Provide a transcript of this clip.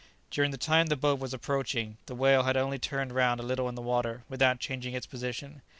During the time the boat was approaching, the whale had only turned round a little in the water without changing its position.